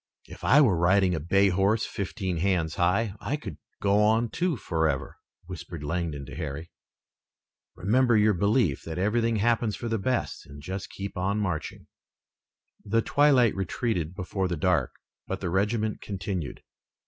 "If I were riding a bay horse fifteen hands high I could go on, too, forever," whispered Langdon to Harry. "Remember your belief that everything happens for the best and just keep on marching." The twilight retreated before the dark, but the regiment continued.